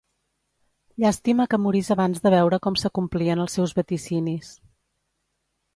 Llàstima que morís abans de veure com s'acomplien els seus vaticinis.